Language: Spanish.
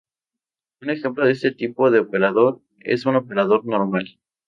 Un ejemplo de este tipo de operador es un operador normal.